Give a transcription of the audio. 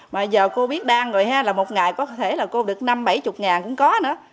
mà giờ cô biết đăng rồi một ngày có thể cô được năm bảy mươi ngàn cũng có nữa